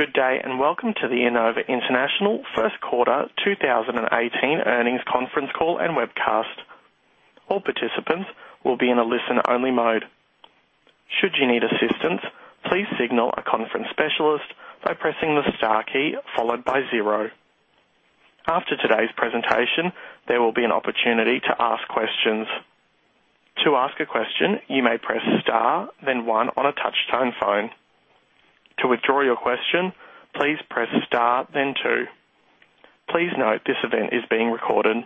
Good day. Welcome to the Enova International first quarter 2018 earnings conference call and webcast. All participants will be in a listen-only mode. Should you need assistance, please signal a conference specialist by pressing the star key followed by zero. After today's presentation, there will be an opportunity to ask questions. To ask a question, you may press star, then one on a touch-tone phone. To withdraw your question, please press star, then two. Please note this event is being recorded.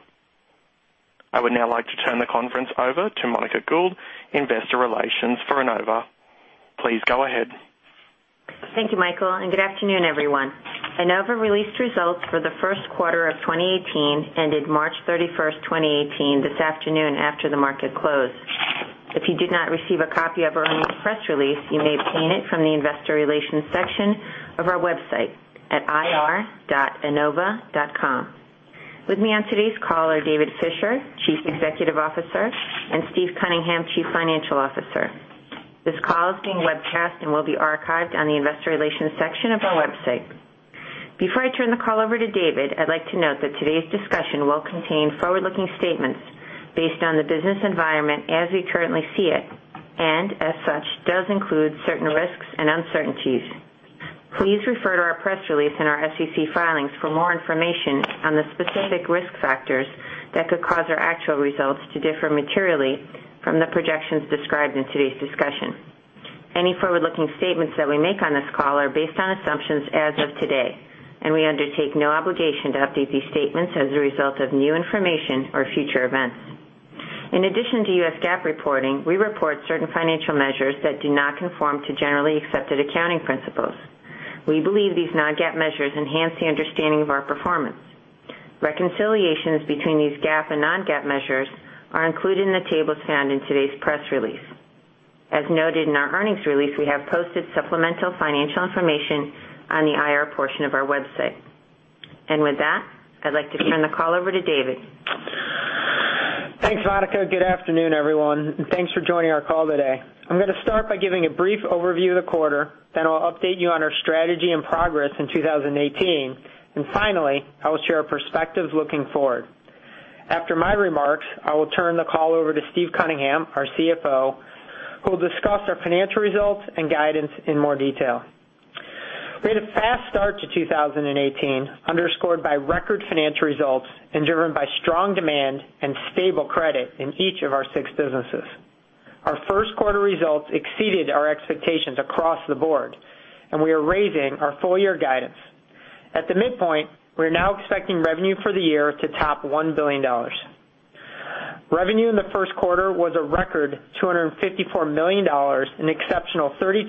I would now like to turn the conference over to Monica Gould, investor relations for Enova. Please go ahead. Thank you, Michael. Good afternoon, everyone. Enova released results for the first quarter of 2018, ended March 31st, 2018, this afternoon after the market closed. If you did not receive a copy of our earnings press release, you may obtain it from the investor relations section of our website at ir.enova.com. With me on today's call are David Fisher, Chief Executive Officer, and Steve Cunningham, Chief Financial Officer. This call is being webcast and will be archived on the investor relations section of our website. Before I turn the call over to David, I'd like to note that today's discussion will contain forward-looking statements based on the business environment as we currently see it, and as such, does include certain risks and uncertainties. Please refer to our press release and our SEC filings for more information on the specific risk factors that could cause our actual results to differ materially from the projections described in today's discussion. Any forward-looking statements that we make on this call are based on assumptions as of today. We undertake no obligation to update these statements as a result of new information or future events. In addition to US GAAP reporting, we report certain financial measures that do not conform to generally accepted accounting principles. We believe these non-GAAP measures enhance the understanding of our performance. Reconciliations between these GAAP and non-GAAP measures are included in the tables found in today's press release. As noted in our earnings release, we have posted supplemental financial information on the IR portion of our website. With that, I'd like to turn the call over to David. Thanks, Monica. Good afternoon, everyone. Thanks for joining our call today. I'm going to start by giving a brief overview of the quarter. I'll update you on our strategy and progress in 2018. Finally, I will share our perspectives looking forward. After my remarks, I will turn the call over to Steve Cunningham, our CFO, who will discuss our financial results and guidance in more detail. We had a fast start to 2018, underscored by record financial results and driven by strong demand and stable credit in each of our six businesses. Our first quarter results exceeded our expectations across the board. We are raising our full-year guidance. At the midpoint, we're now expecting revenue for the year to top $1 billion. Revenue in the first quarter was a record $254 million, an exceptional 32%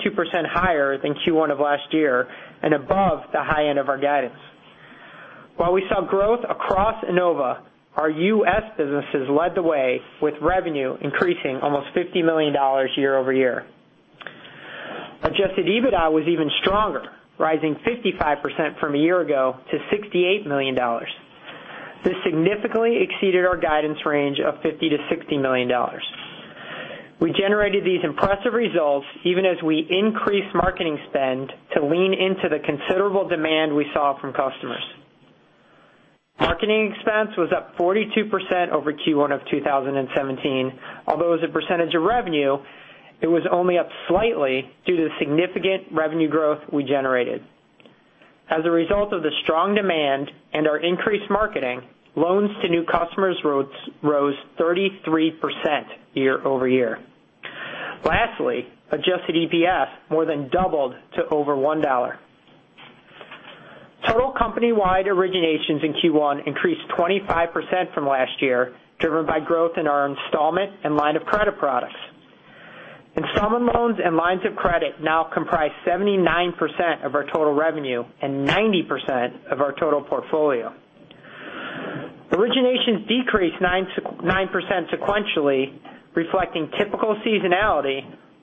higher than Q1 of last year and above the high end of our guidance. While we saw growth across Enova, our U.S. businesses led the way with revenue increasing almost $50 million year-over-year. adjusted EBITDA was even stronger, rising 55% from a year ago to $68 million. This significantly exceeded our guidance range of $50 million-$60 million. We generated these impressive results even as we increased marketing spend to lean into the considerable demand we saw from customers. Marketing expense was up 42% over Q1 of 2017. Although as a percentage of revenue, it was only up slightly due to the significant revenue growth we generated. As a result of the strong demand and our increased marketing, loans to new customers rose 33% year-over-year. Lastly, adjusted EPS more than doubled to over $1. Total company-wide originations in Q1 increased 25% from last year, driven by growth in our installment and line of credit products. Installment loans and lines of credit now comprise 79% of our total revenue and 90% of our total portfolio. Originations decreased 9% sequentially, reflecting typical seasonality,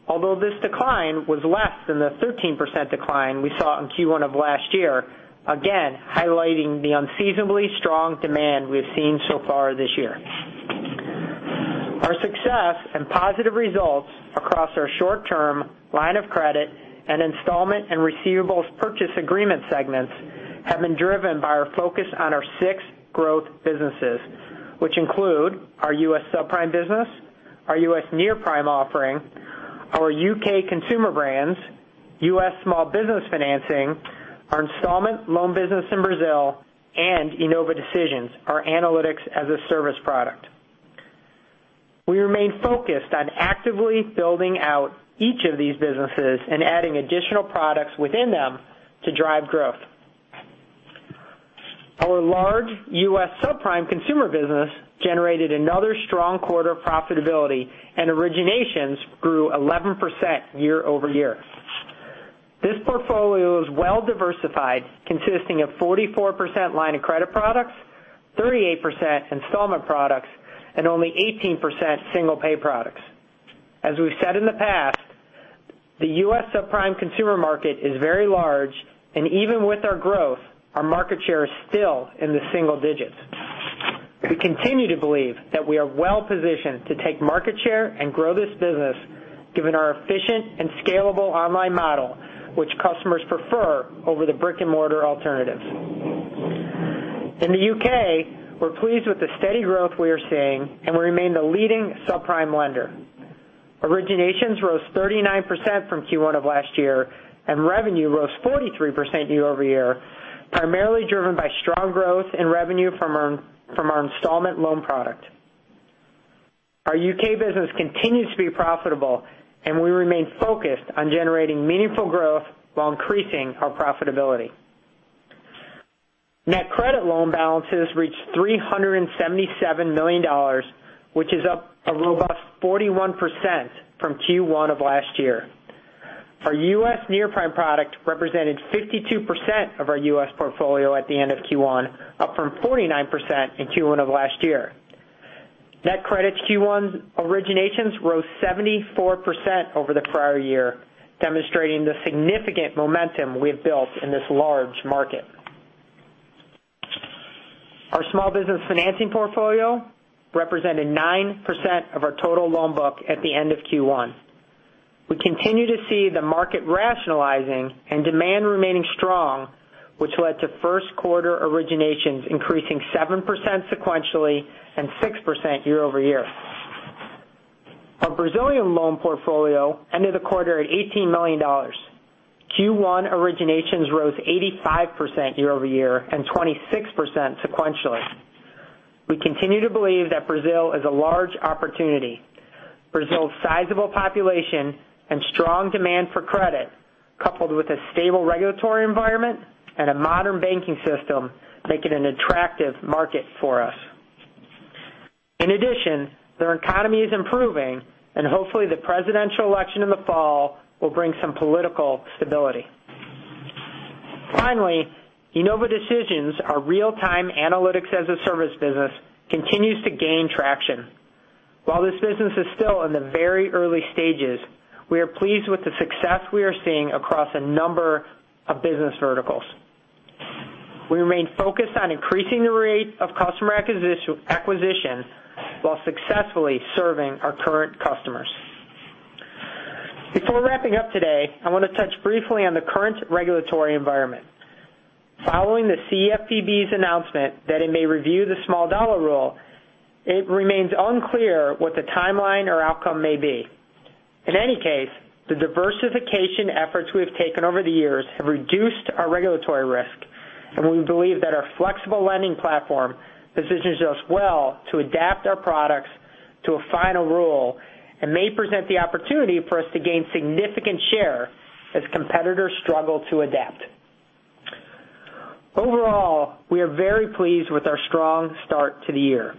although this decline was less than the 13% decline we saw in Q1 of last year, again, highlighting the unseasonably strong demand we have seen so far this year. Our success and positive results across our short-term line of credit and installment and receivables purchase agreement segments have been driven by our focus on our six growth businesses. Which include our U.S. subprime business, our U.S. near-prime offering, our U.K. consumer brands, U.S. small business financing, our installment loan business in Brazil, and Enova Decisions, our analytics-as-a-service product. We remain focused on actively building out each of these businesses and adding additional products within them to drive growth. Our large U.S. subprime consumer business generated another strong quarter of profitability, and originations grew 11% year-over-year. This portfolio is well-diversified, consisting of 44% line of credit products, 38% installment products, and only 18% single-pay products. As we've said in the past, the U.S. subprime consumer market is very large, and even with our growth, our market share is still in the single digits. We continue to believe that we are well-positioned to take market share and grow this business given our efficient and scalable online model, which customers prefer over the brick-and-mortar alternatives. In the U.K., we're pleased with the steady growth we are seeing, and we remain the leading subprime lender. Originations rose 39% from Q1 of last year, and revenue rose 43% year-over-year, primarily driven by strong growth in revenue from our installment loan product. Our U.K. business continues to be profitable, and we remain focused on generating meaningful growth while increasing our profitability. NetCredit loan balances reached $377 million, which is up a robust 41% from Q1 of last year. Our U.S. near-prime product represented 52% of our U.S. portfolio at the end of Q1, up from 49% in Q1 of last year. NetCredit's Q1 originations rose 74% over the prior year, demonstrating the significant momentum we have built in this large market. Our small business financing portfolio represented 9% of our total loan book at the end of Q1. We continue to see the market rationalizing and demand remaining strong, which led to first quarter originations increasing 7% sequentially and 6% year-over-year. Our Brazilian loan portfolio ended the quarter at $18 million. Q1 originations rose 85% year-over-year and 26% sequentially. We continue to believe that Brazil is a large opportunity. Brazil's sizable population and strong demand for credit, coupled with a stable regulatory environment and a modern banking system, make it an attractive market for us. Its economy is improving, and hopefully, the presidential election in the fall will bring some political stability. Enova Decisions, our real-time analytics-as-a-service business, continues to gain traction. While this business is still in the very early stages, we are pleased with the success we are seeing across a number of business verticals. We remain focused on increasing the rate of customer acquisition while successfully serving our current customers. Before wrapping up today, I want to touch briefly on the current regulatory environment. Following the CFPB's announcement that it may review the small dollar rule, it remains unclear what the timeline or outcome may be. The diversification efforts we have taken over the years have reduced our regulatory risk, and we believe that our flexible lending platform positions us well to adapt our products to a final rule and may present the opportunity for us to gain significant share as competitors struggle to adapt. We are very pleased with our strong start to the year.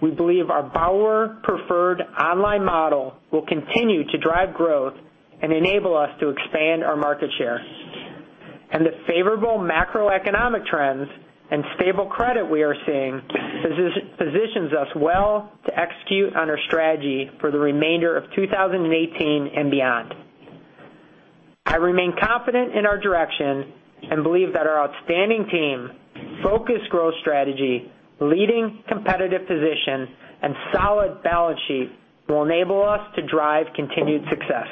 We believe our borrower-preferred online model will continue to drive growth and enable us to expand our market share. The favorable macroeconomic trends and stable credit we are seeing positions us well to execute on our strategy for the remainder of 2018 and beyond. I remain confident in our direction and believe that our outstanding team, focused growth strategy, leading competitive position, and solid balance sheet will enable us to drive continued success.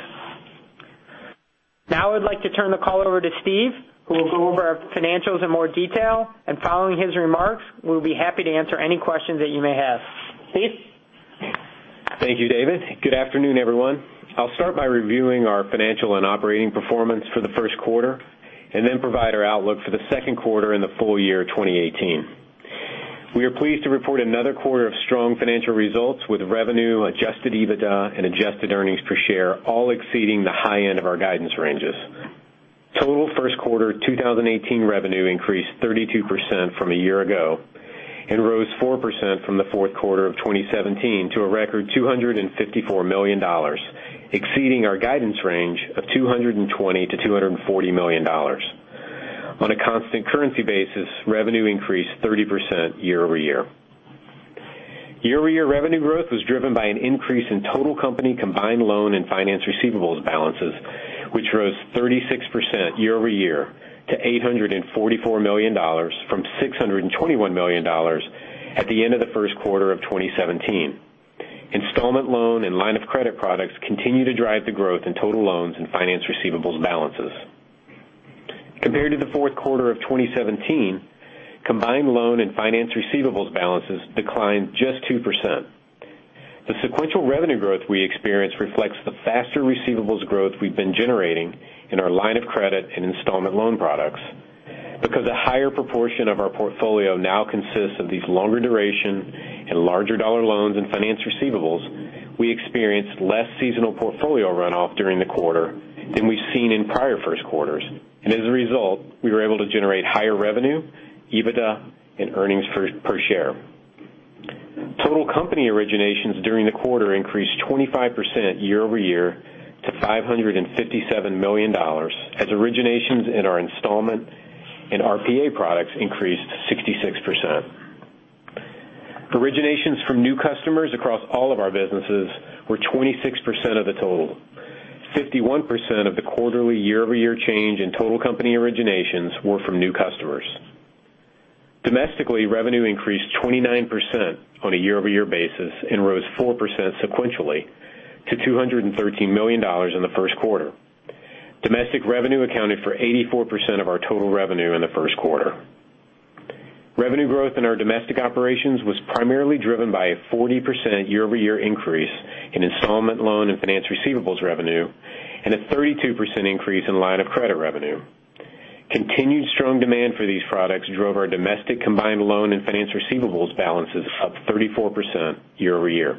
I would like to turn the call over to Steve, who will go over our financials in more detail, and following his remarks, we'll be happy to answer any questions that you may have. Steve? Thank you, David. Good afternoon, everyone. I'll start by reviewing our financial and operating performance for the first quarter and then provide our outlook for the second quarter and the full year 2018. We are pleased to report another quarter of strong financial results with revenue, adjusted EBITDA, and adjusted earnings per share all exceeding the high end of our guidance ranges. Total first quarter 2018 revenue increased 32% from a year ago and rose 4% from the fourth quarter of 2017 to a record $254 million, exceeding our guidance range of $220 million-$240 million. On a constant currency basis, revenue increased 30% year-over-year. Year-over-year revenue growth was driven by an increase in total company combined loan and finance receivables balances, which rose 36% year-over-year to $844 million from $621 million at the end of the first quarter of 2017. Installment loan and line of credit products continue to drive the growth in total loans and finance receivables balances. Compared to the fourth quarter of 2017, combined loan and finance receivables balances declined just 2%. The sequential revenue growth we experienced reflects the faster receivables growth we've been generating in our line of credit and installment loan products. Because a higher proportion of our portfolio now consists of these longer duration and larger dollar loans and finance receivables, we experienced less seasonal portfolio runoff during the quarter than we've seen in prior first quarters. As a result, we were able to generate higher revenue, EBITDA, and earnings per share. Total company originations during the quarter increased 25% year-over-year to $557 million as originations in our installment and RPA products increased 66%. Originations from new customers across all of our businesses were 26% of the total. 51% of the quarterly year-over-year change in total company originations were from new customers. Domestically, revenue increased 29% on a year-over-year basis and rose 4% sequentially to $213 million in the first quarter. Domestic revenue accounted for 84% of our total revenue in the first quarter. Revenue growth in our domestic operations was primarily driven by a 40% year-over-year increase in installment loan and finance receivables revenue, and a 32% increase in line of credit revenue. Continued strong demand for these products drove our domestic combined loan and finance receivables balances up 34% year-over-year.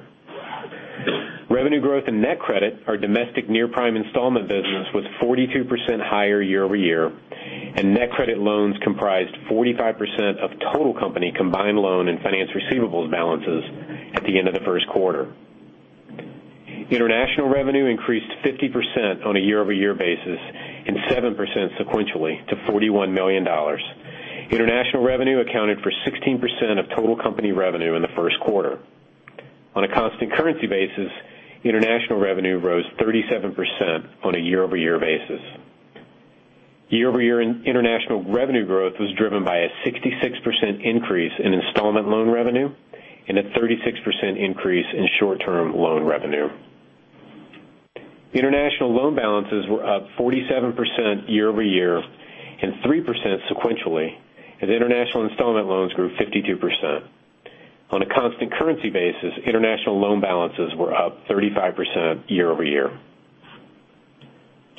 Revenue growth in NetCredit, our domestic near-prime installment business, was 42% higher year-over-year, and NetCredit loans comprised 45% of total company combined loan and finance receivables balances at the end of the first quarter. International revenue increased 50% on a year-over-year basis and 7% sequentially to $41 million. International revenue accounted for 16% of total company revenue in the first quarter. On a constant currency basis, international revenue rose 37% on a year-over-year basis. Year-over-year international revenue growth was driven by a 66% increase in installment loan revenue and a 36% increase in short-term loan revenue. International loan balances were up 47% year-over-year and 3% sequentially, and international installment loans grew 52%. On a constant currency basis, international loan balances were up 35% year-over-year.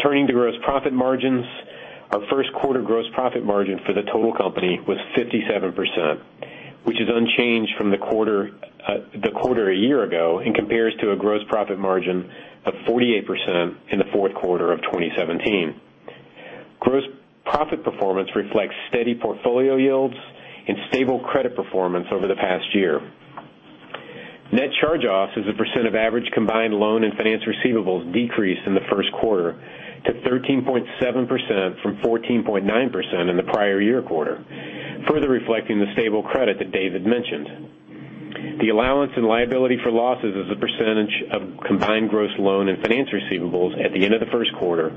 Turning to gross profit margins. Our first quarter gross profit margin for the total company was 57%, which is unchanged from the quarter a year ago and compares to a gross profit margin of 48% in the fourth quarter of 2017. Gross profit performance reflects steady portfolio yields and stable credit performance over the past year. Net charge-offs as a percent of average combined loan and finance receivables decreased in the first quarter to 13.7% from 14.9% in the prior year quarter, further reflecting the stable credit that David mentioned. The allowance and liability for losses as a percentage of combined gross loan and finance receivables at the end of the first quarter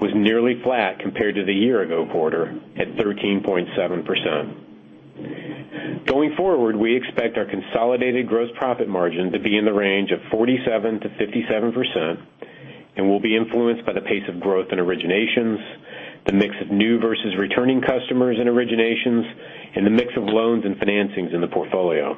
was nearly flat compared to the year-ago quarter at 13.7%. Going forward, we expect our consolidated gross profit margin to be in the range of 47%-57% and will be influenced by the pace of growth in originations, the mix of new versus returning customers in originations, and the mix of loans and financings in the portfolio.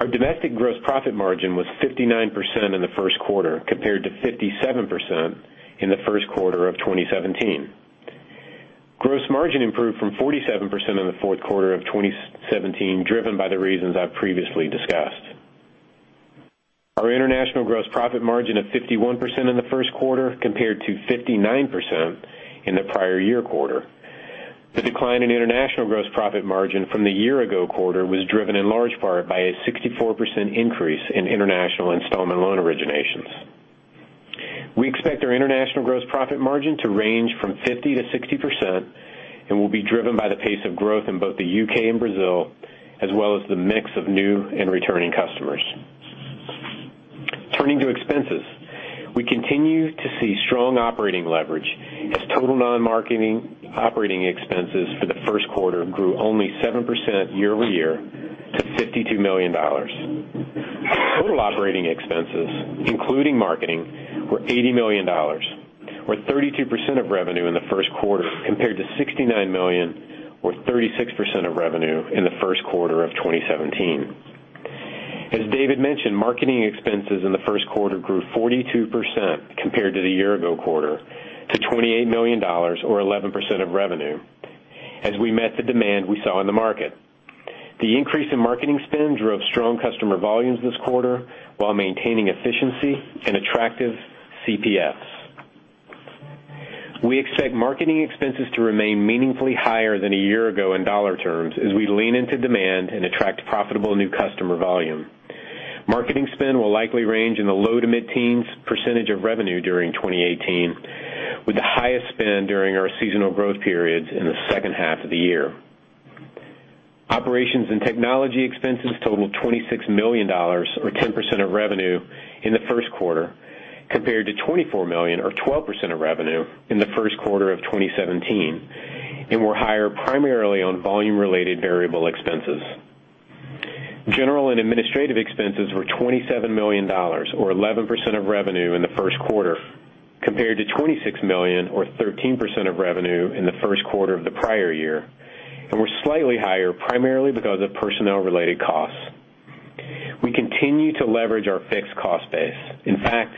Our domestic gross profit margin was 59% in the first quarter, compared to 57% in the first quarter of 2017. Gross margin improved from 47% in the fourth quarter of 2017, driven by the reasons I've previously discussed. Our international gross profit margin of 51% in the first quarter, compared to 59% in the prior year quarter. The decline in international gross profit margin from the year-ago quarter was driven in large part by a 64% increase in international installment loan originations. We expect our international gross profit margin to range from 50%-60% and will be driven by the pace of growth in both the U.K. and Brazil, as well as the mix of new and returning customers. Turning to expenses. We continue to see strong operating leverage as total non-marketing operating expenses for the first quarter grew only 7% year-over-year to $52 million. Total operating expenses, including marketing, were $80 million, or 32% of revenue in the first quarter, compared to $69 million or 36% of revenue in the first quarter of 2017. As David mentioned, marketing expenses in the first quarter grew 42% compared to the year-ago quarter to $28 million or 11% of revenue as we met the demand we saw in the market. The increase in marketing spend drove strong customer volumes this quarter while maintaining efficiency and attractive CPAs. We expect marketing expenses to remain meaningfully higher than a year ago in dollar terms as we lean into demand and attract profitable new customer volume. Marketing spend will likely range in the low to mid-teens percentage of revenue during 2018, with the highest spend during our seasonal growth periods in the second half of the year. Operations and technology expenses totaled $26 million or 10% of revenue in the first quarter, compared to $24 million or 12% of revenue in the first quarter of 2017 and were higher primarily on volume-related variable expenses. General and administrative expenses were $27 million or 11% of revenue in the first quarter, compared to $26 million or 13% of revenue in the first quarter of the prior year, and were slightly higher, primarily because of personnel-related costs. We continue to leverage our fixed cost base. In fact,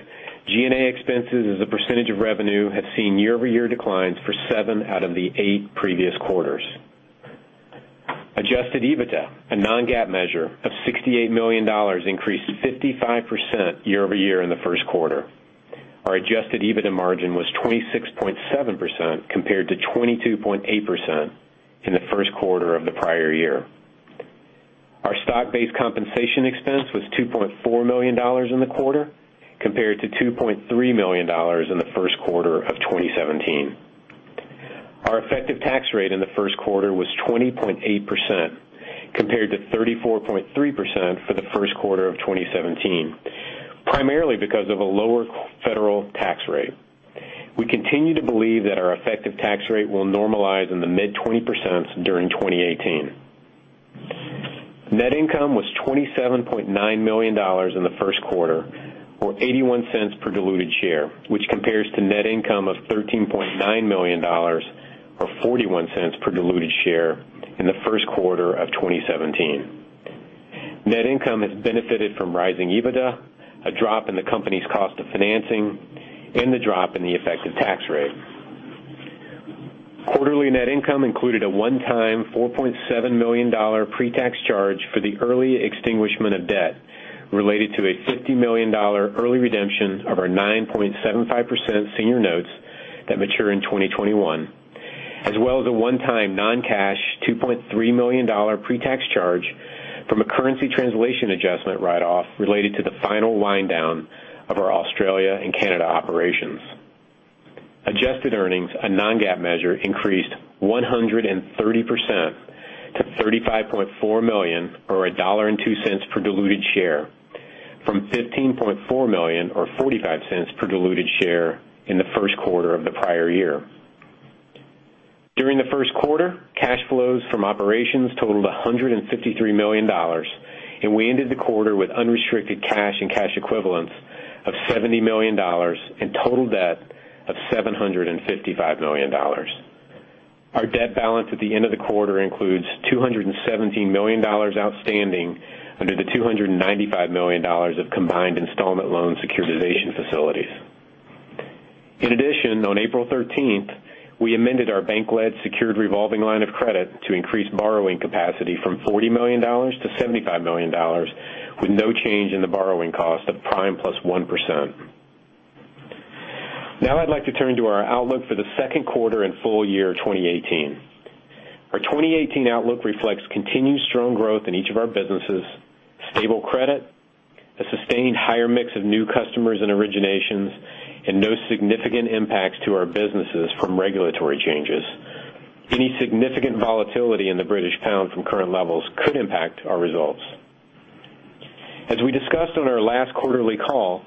G&A expenses as a percentage of revenue have seen year-over-year declines for seven out of the eight previous quarters. Adjusted EBITDA, a non-GAAP measure of $68 million, increased 55% year-over-year in the first quarter. Our adjusted EBITDA margin was 26.7% compared to 22.8% in the first quarter of the prior year. Our stock-based compensation expense was $2.4 million in the quarter, compared to $2.3 million in the first quarter of 2017. Our effective tax rate in the first quarter was 20.8%, compared to 34.3% for the first quarter of 2017. Primarily because of a lower federal tax rate. We continue to believe that our effective tax rate will normalize in the mid-20 percents during 2018. Net income was $27.9 million in the first quarter or $0.81 per diluted share, which compares to net income of $13.9 million or $0.41 per diluted share in the first quarter of 2017. Net income has benefited from rising EBITDA, a drop in the company's cost of financing, and a drop in the effective tax rate. Quarterly net income included a one-time $4.7 million pre-tax charge for the early extinguishment of debt related to a $50 million early redemption of our 9.75% senior notes that mature in 2021, as well as a one-time non-cash $2.3 million pre-tax charge from a currency translation adjustment write-off related to the final wind-down of our Australia and Canada operations. Adjusted earnings, a non-GAAP measure, increased 130% to $35.4 million or $1.02 per diluted share from $15.4 million or $0.45 per diluted share in the first quarter of the prior year. During the first quarter, cash flows from operations totaled $153 million, and we ended the quarter with unrestricted cash and cash equivalents of $70 million and total debt of $755 million. Our debt balance at the end of the quarter includes $217 million outstanding under the $295 million of combined installment loan securitization facilities. In addition, on April 13th, we amended our bank-led secured revolving line of credit to increase borrowing capacity from $40 million to $75 million with no change in the borrowing cost of prime plus 1%. I'd like to turn to our outlook for the second quarter and full year 2018. Our 2018 outlook reflects continued strong growth in each of our businesses, stable credit, a sustained higher mix of new customers and originations, and no significant impacts to our businesses from regulatory changes. Any significant volatility in the British pound from current levels could impact our results. As we discussed on our last quarterly call,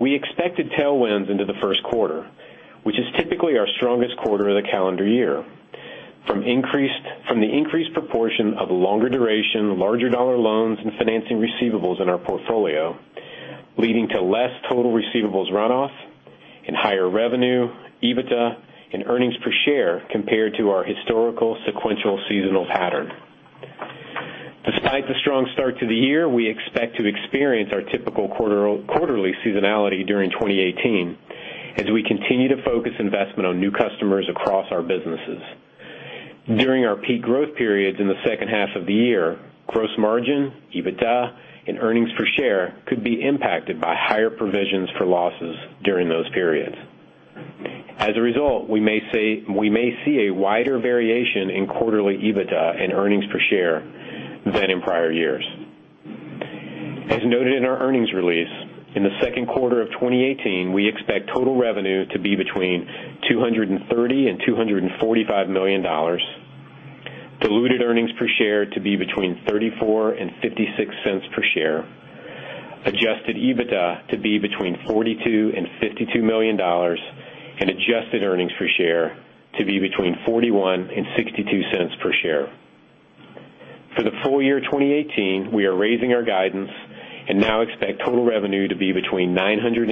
we expected tailwinds into the first quarter, which is typically our strongest quarter of the calendar year. From the increased proportion of longer duration, larger dollar loans and financing receivables in our portfolio, leading to less total receivables runoff and higher revenue, EBITDA, and earnings per share compared to our historical sequential seasonal pattern. Despite the strong start to the year, we expect to experience our typical quarterly seasonality during 2018 as we continue to focus investment on new customers across our businesses. During our peak growth periods in the second half of the year, gross margin, EBITDA, and earnings per share could be impacted by higher provisions for losses during those periods. As a result, we may see a wider variation in quarterly EBITDA and earnings per share than in prior years. As noted in our earnings release, in the second quarter of 2018, we expect total revenue to be between $230 million and $245 million, diluted earnings per share to be between $0.34 and $0.56 per share, adjusted EBITDA to be between $42 million and $52 million, and adjusted earnings per share to be between $0.41 and $0.62 per share. For the full year 2018, we are raising our guidance and now expect total revenue to be between $980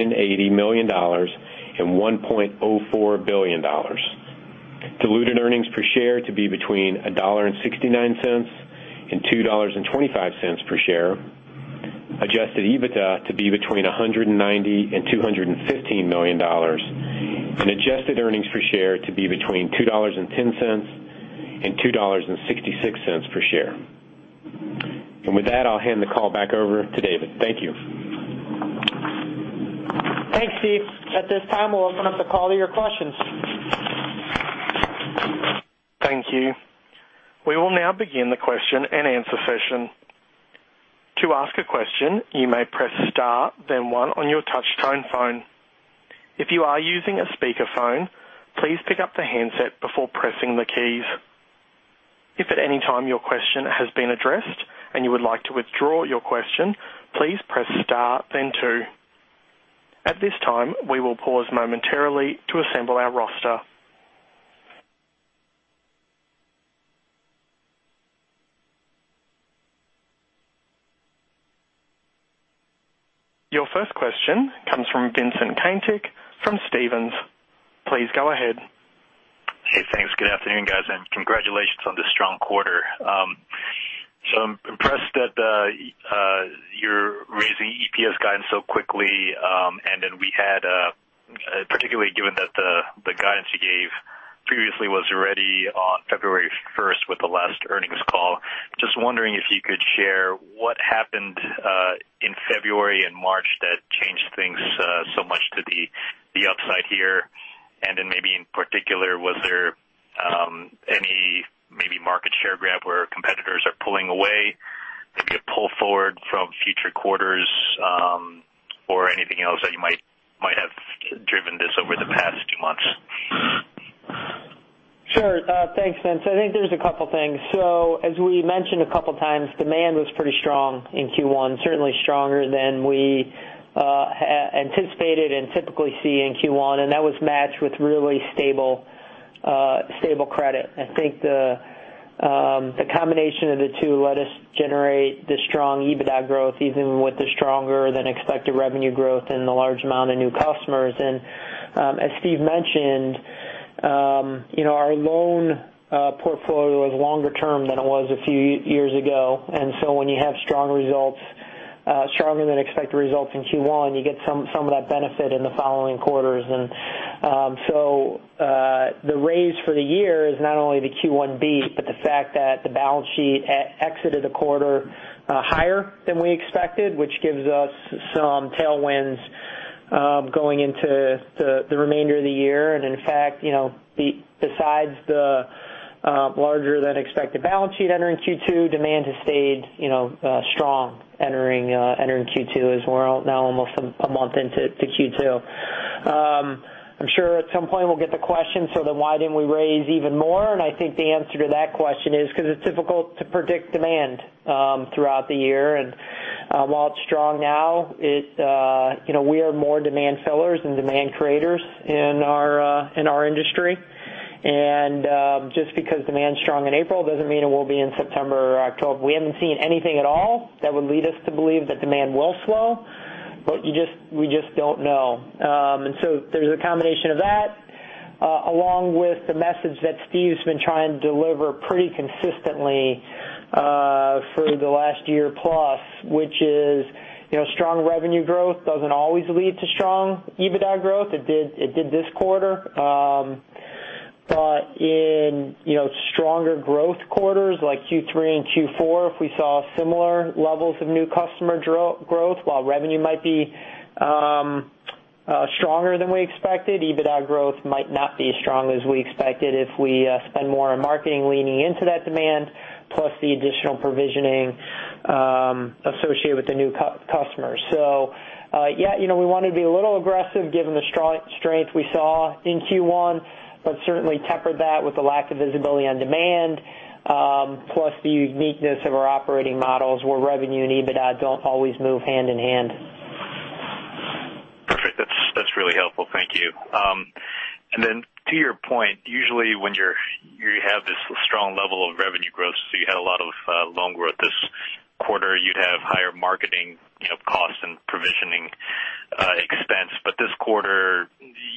million and $1.04 billion, diluted earnings per share to be between $1.69 and $2.25 per share, adjusted EBITDA to be between $190 million and $215 million and adjusted earnings per share to be between $2.10 and $2.66 per share. With that, I'll hand the call back over to David. Thank you. Thanks, Steve. At this time, we will open up the call to your questions. Thank you. We will now begin the question and answer session. To ask a question, you may press star then 1 on your touch tone phone. If you are using a speakerphone, please pick up the handset before pressing the keys. If at any time your question has been addressed and you would like to withdraw your question, please press star then 2. At this time, we will pause momentarily to assemble our roster. Your first question comes from Vincent Caintic from Stephens. Please go ahead. Hey, thanks. Good afternoon, guys, and congratulations on the strong quarter. I'm impressed that you are raising EPS guidance so quickly, and then we had, particularly given that the guidance you gave previously was already on February 1st with the last earnings call. Just wondering if you could share what happened in February and March that changed things so much to the upside here? Maybe in particular, was there share grab where competitors are pulling away, maybe a pull forward from future quarters, or anything else that you might have driven this over the past few months? Sure. Thanks, Vince. I think there is a couple of things. As we mentioned a couple of times, demand was pretty strong in Q1, certainly stronger than we anticipated and typically see in Q1, and that was matched with really stable credit. I think the combination of the two let us generate the strong EBITDA growth, even with the stronger than expected revenue growth and the large amount of new customers. As Steve mentioned, our loan portfolio was longer term than it was a few years ago. When you have stronger than expected results in Q1, you get some of that benefit in the following quarters. The raise for the year is not only the Q1 beat, but the fact that the balance sheet exited the quarter higher than we expected, which gives us some tailwinds going into the remainder of the year. In fact, besides the larger than expected balance sheet entering Q2, demand has stayed strong entering Q2 as we're now almost a month into Q2. I'm sure at some point we'll get the question, why didn't we raise even more? I think the answer to that question is because it's difficult to predict demand throughout the year. While it's strong now, we are more demand fillers than demand creators in our industry. Just because demand's strong in April doesn't mean it will be in September or October. We haven't seen anything at all that would lead us to believe that demand will slow, but we just don't know. There's a combination of that, along with the message that Steve's been trying to deliver pretty consistently for the last year plus, which is strong revenue growth doesn't always lead to strong EBITDA growth. It did this quarter. In stronger growth quarters like Q3 and Q4, if we saw similar levels of new customer growth while revenue might be stronger than we expected, EBITDA growth might not be as strong as we expected if we spend more on marketing leaning into that demand, plus the additional provisioning associated with the new customers. Yeah, we want to be a little aggressive given the strength we saw in Q1, but certainly tempered that with the lack of visibility on demand, plus the uniqueness of our operating models where revenue and EBITDA don't always move hand in hand. Perfect. That's really helpful. Thank you. Then to your point, usually when you have this strong level of revenue growth, you had a lot of loan growth this quarter, you'd have higher marketing costs and provisioning expense. This quarter,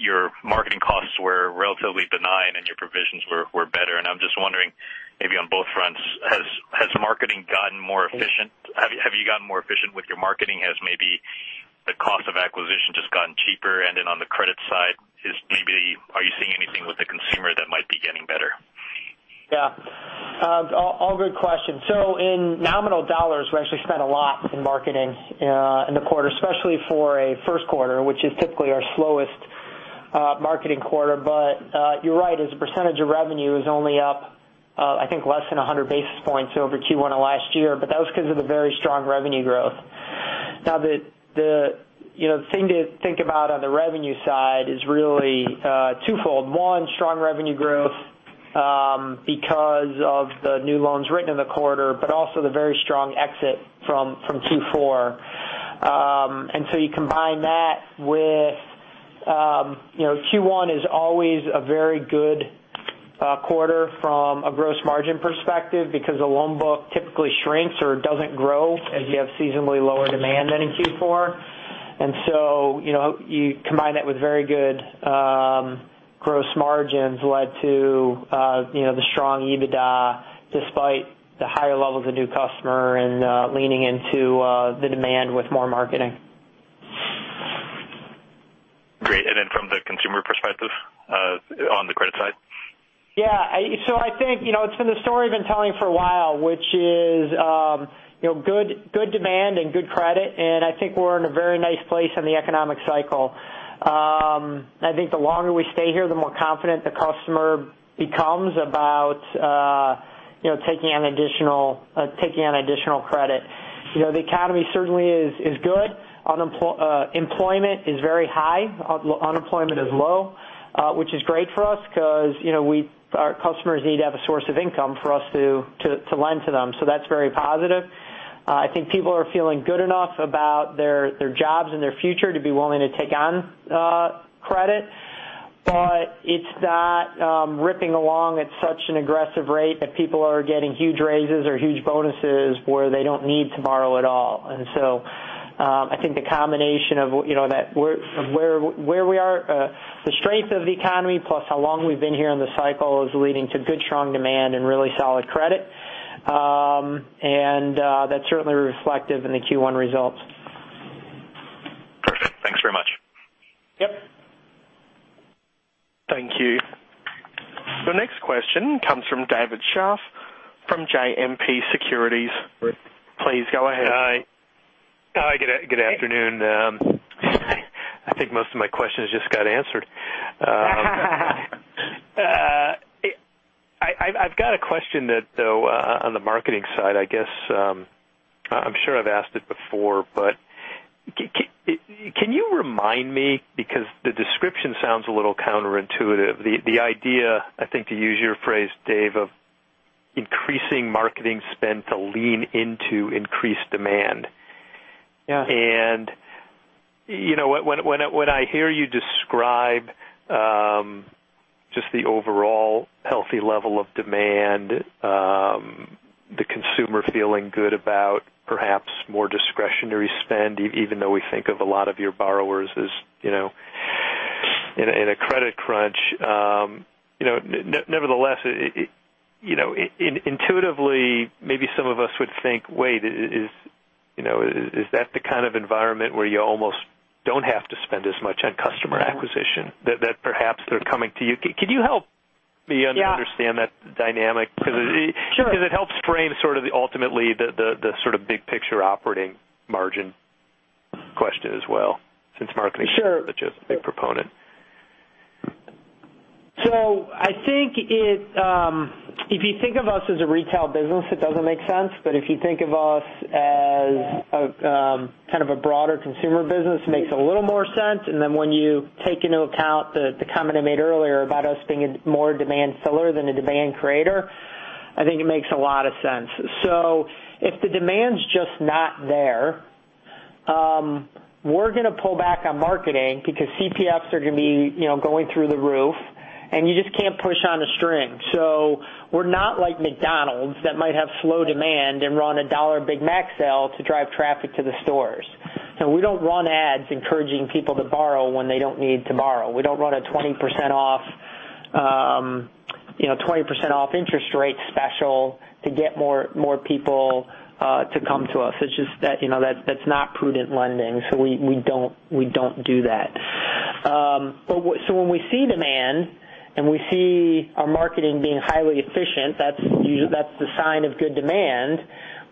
your marketing costs were relatively benign and your provisions were better. I'm just wondering maybe on both fronts, has marketing gotten more efficient? Have you gotten more efficient with your marketing? Has maybe the cost of acquisition just gotten cheaper? Then on the credit side, are you seeing anything with the consumer that might be getting better? Yeah. All good questions. In nominal dollars, we actually spent a lot in marketing in the quarter, especially for a first quarter, which is typically our slowest marketing quarter. You're right. As a percentage of revenue is only up, I think less than 100 basis points over Q1 of last year. That was because of the very strong revenue growth. The thing to think about on the revenue side is really twofold. One, strong revenue growth because of the new loans written in the quarter, but also the very strong exit from Q4. You combine that with Q1 is always a very good quarter from a gross margin perspective because the loan book typically shrinks or doesn't grow as you have seasonally lower demand than in Q4. You combine that with very good gross margins led to the strong EBITDA despite the higher levels of new customer and leaning into the demand with more marketing. Great. From the consumer perspective, on the credit side? Yeah. I think it's been the story we've been telling for a while, which is good demand and good credit, and I think we're in a very nice place in the economic cycle. I think the longer we stay here, the more confident the customer becomes about taking on additional credit. The economy certainly is good. Employment is very high. Unemployment is low, which is great for us because our customers need to have a source of income for us to lend to them. That's very positive. I think people are feeling good enough about their jobs and their future to be willing to take on credit. It's not ripping along at such an aggressive rate that people are getting huge raises or huge bonuses where they don't need to borrow at all. I think the combination of where we are, the strength of the economy, plus how long we've been here in the cycle is leading to good, strong demand and really solid credit. That's certainly reflective in the Q1 results. Perfect. Thanks very much. Yep. Thank you. Next question comes from David Scharf from JMP Securities. Please go ahead. Hi. Good afternoon. I think most of my questions just got answered. I've got a question, though, on the marketing side. I'm sure I've asked it before, but can you remind me, because the description sounds a little counterintuitive, the idea, I think, to use your phrase, Dave, of increasing marketing spend to lean into increased demand. Yes. When I hear you describe just the overall healthy level of demand, the consumer feeling good about perhaps more discretionary spend, even though we think of a lot of your borrowers as in a credit crunch. Nevertheless, intuitively, maybe some of us would think, wait, is that the kind of environment where you almost don't have to spend as much on customer acquisition? That perhaps they're coming to you. Can you help me? Yeah understand that dynamic? Sure. It helps frame sort of ultimately the sort of big picture operating margin question as well, since marketing- Sure is such a big proponent. I think if you think of us as a retail business, it doesn't make sense. If you think of us as kind of a broader consumer business, it makes a little more sense. When you take into account the comment I made earlier about us being a more demand filler than a demand creator, I think it makes a lot of sense. If the demand's just not there, we're going to pull back on marketing because CPAs are going to be going through the roof, and you just can't push on a string. We're not like McDonald's that might have slow demand and run a dollar Big Mac sale to drive traffic to the stores. We don't run ads encouraging people to borrow when they don't need to borrow. We don't run a 20% off interest rate special to get more people to come to us. That's not prudent lending. We don't do that. When we see demand and we see our marketing being highly efficient, that's the sign of good demand.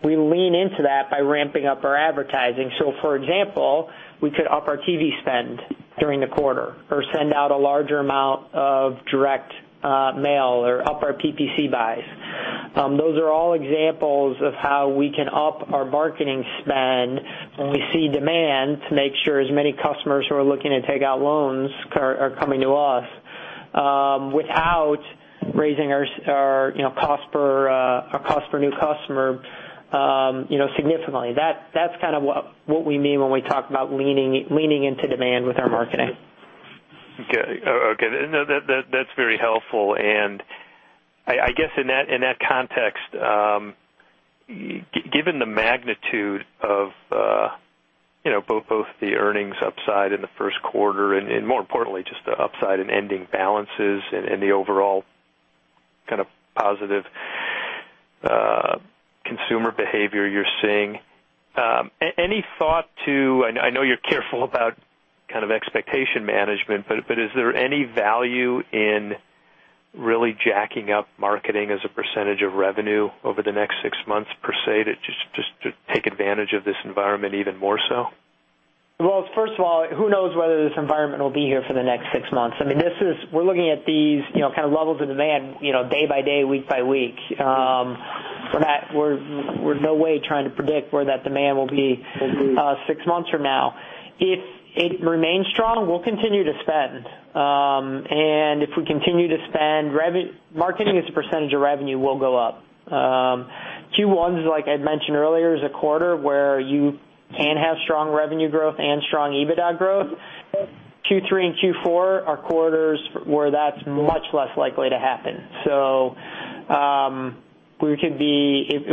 We lean into that by ramping up our advertising. For example, we could up our TV spend during the quarter or send out a larger amount of direct mail or up our PPC buys. Those are all examples of how we can up our marketing spend when we see demand to make sure as many customers who are looking to take out loans are coming to us without raising our cost per new customer significantly. That's kind of what we mean when we talk about leaning into demand with our marketing. Okay. That's very helpful. I guess in that context, given the magnitude of both the earnings upside in the first quarter and more importantly, just the upside in ending balances and the overall kind of positive consumer behavior you're seeing. Any thought to I know you're careful about kind of expectation management, but is there any value in really jacking up marketing as a percentage of revenue over the next six months, per se, just to take advantage of this environment even more so? First of all, who knows whether this environment will be here for the next six months? We're looking at these kind of levels of demand day by day, week by week. We're in no way trying to predict where that demand will be six months from now. If it remains strong, we'll continue to spend. If we continue to spend, marketing as a percentage of revenue will go up. Q1, like I mentioned earlier, is a quarter where you can have strong revenue growth and strong EBITDA growth. Q3 and Q4 are quarters where that's much less likely to happen. If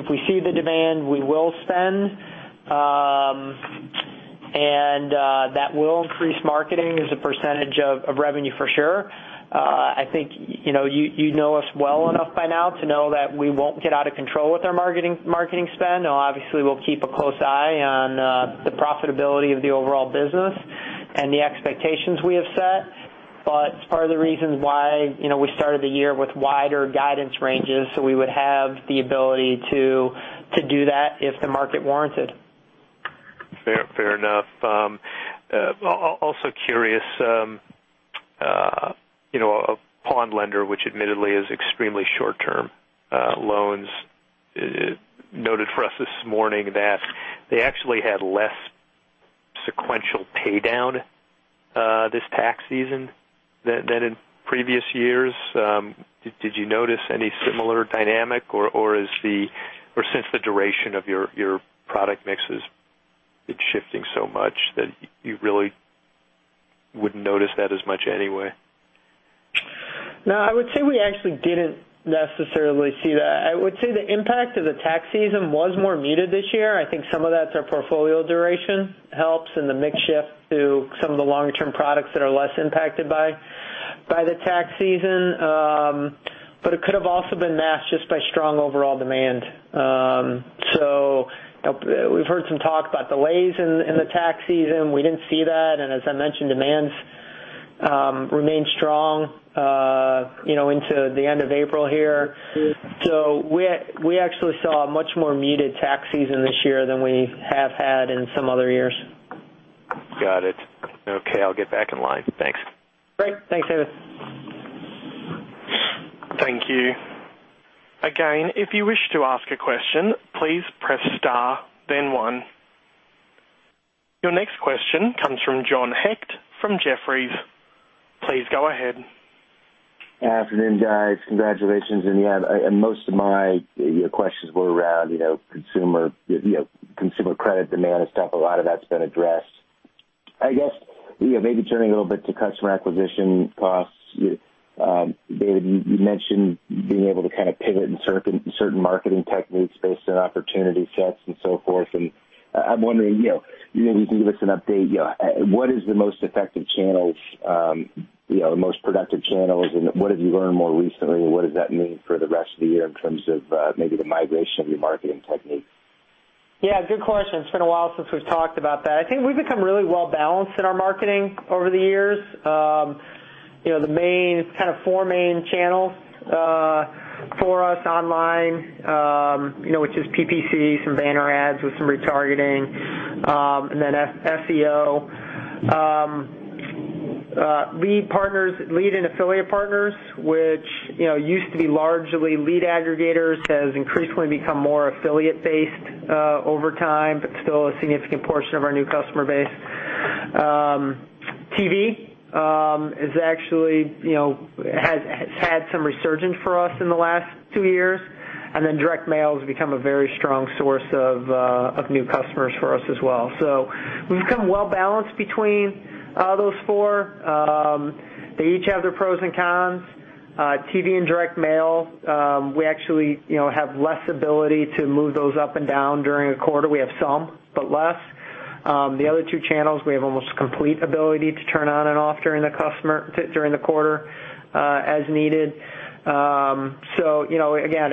we see the demand, we will spend, and that will increase marketing as a percentage of revenue for sure. I think you know us well enough by now to know that we won't get out of control with our marketing spend. Obviously, we'll keep a close eye on the profitability of the overall business and the expectations we have set. It's part of the reasons why we started the year with wider guidance ranges, so we would have the ability to do that if the market warrants it. Fair enough. Also curious, a pawn lender, which admittedly is extremely short-term loans, noted for us this morning that they actually had less sequential paydown this tax season than in previous years. Did you notice any similar dynamic, or since the duration of your product mix is shifting so much that you really wouldn't notice that as much anyway? No, I would say we actually didn't necessarily see that. I would say the impact of the tax season was more muted this year. I think some of that's our portfolio duration helps in the mix shift to some of the longer-term products that are less impacted by the tax season. It could have also been masked just by strong overall demand. We've heard some talk about delays in the tax season. We didn't see that, and as I mentioned, demand remained strong into the end of April here. We actually saw a much more muted tax season this year than we have had in some other years. Got it. Okay, I'll get back in line. Thanks. Great. Thanks, David. Thank you. Again, if you wish to ask a question, please press star, then one. Your next question comes from John Hecht from Jefferies. Please go ahead. Afternoon, guys. Congratulations. Most of my questions were around consumer credit demand and stuff. A lot of that's been addressed. I guess maybe turning a little bit to customer acquisition costs. David, you mentioned being able to kind of pivot in certain marketing techniques based on opportunity sets and so forth. I'm wondering, maybe you can give us an update. What is the most effective channels, the most productive channels, and what have you learned more recently, and what does that mean for the rest of the year in terms of maybe the migration of your marketing techniques? Yeah, good question. It's been a while since we've talked about that. I think we've become really well-balanced in our marketing over the years. The four main channels for us online, which is PPC, some banner ads with some retargeting, and then SEO. Lead and affiliate partners, which used to be largely lead aggregators, has increasingly become more affiliate based over time, but still a significant portion of our new customer base. TV has had some resurgence for us in the last two years, and then direct mail has become a very strong source of new customers for us as well. We've become well-balanced between those four. They each have their pros and cons. TV and direct mail, we actually have less ability to move those up and down during a quarter. We have some, but less. The other two channels, we have almost complete ability to turn on and off during the quarter as needed. Again,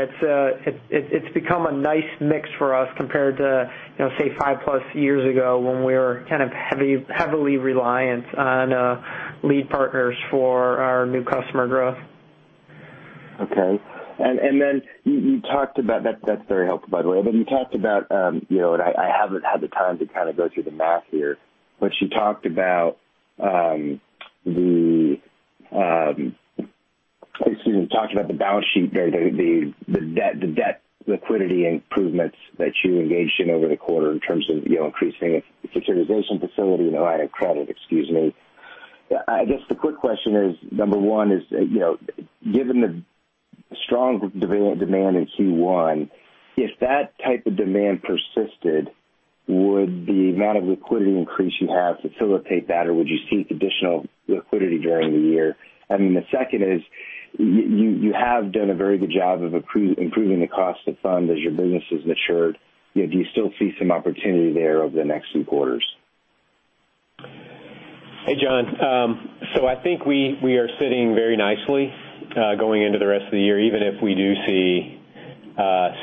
it's become a nice mix for us compared to, say, five-plus years ago when we were kind of heavily reliant on lead partners for our new customer growth. Okay. That's very helpful, by the way. You talked about, and I haven't had the time to kind of go through the math here. You talked about the balance sheet there, the debt liquidity improvements that you engaged in over the quarter in terms of increasing the securitization facility and the line of credit, excuse me. I guess the quick question is, number 1 is, given the strong demand in Q1, if that type of demand persisted, would the amount of liquidity increase you have facilitate that, or would you seek additional liquidity during the year? The second is, you have done a very good job of improving the cost of funds as your business has matured. Do you still see some opportunity there over the next few quarters? Hey, John. I think we are sitting very nicely going into the rest of the year, even if we do see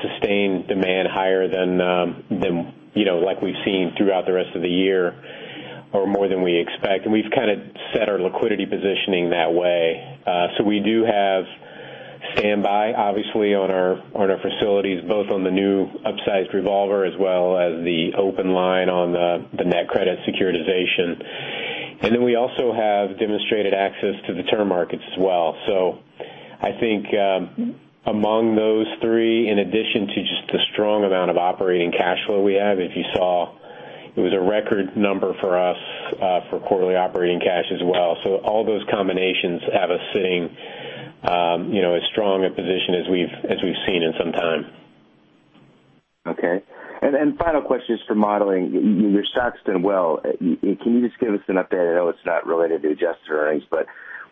sustained demand higher than like we've seen throughout the rest of the year or more than we expect. We've kind of set our liquidity positioning that way. We do have standby, obviously, on our facilities, both on the new upsized revolver as well as the open line on the NetCredit securitization. We also have demonstrated access to the term markets as well. I think among those three, in addition to just the strong amount of operating cash flow we have, if you saw it was a record number for us for quarterly operating cash as well. All those combinations have us sitting as strong a position as we've seen in some time. Okay. Final question is for modeling. Your stock's done well. Can you just give us an update? I know it's not related to adjusted earnings.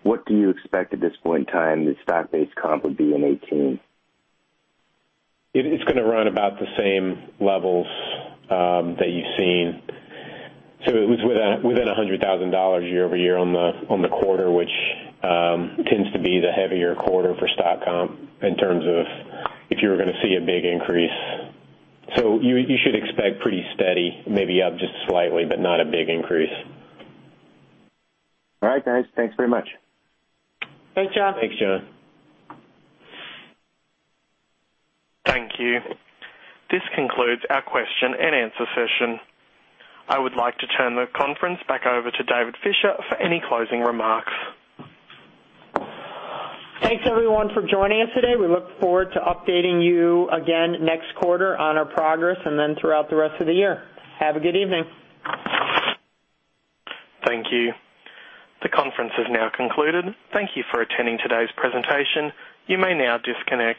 What do you expect at this point in time the stock-based comp would be in 2018? It's going to run about the same levels that you've seen. It was within $100,000 year-over-year on the quarter, which tends to be the heavier quarter for stock comp in terms of if you were going to see a big increase. You should expect pretty steady, maybe up just slightly, not a big increase. All right, guys. Thanks very much. Thanks, John. Thanks, John. Thank you. This concludes our question and answer session. I would like to turn the conference back over to David Fisher for any closing remarks. Thanks, everyone, for joining us today. We look forward to updating you again next quarter on our progress, and then throughout the rest of the year. Have a good evening. Thank you. The conference has now concluded. Thank you for attending today's presentation. You may now disconnect.